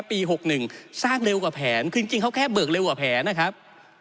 ปี๖๑สร้างเร็วกว่าแผนคือจริงเขาแค่เบิกเร็วกว่าแผนนะครับ